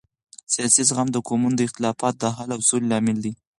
سیاسي زغم د قومونو د اختلافاتو د حل او سولې لامل دی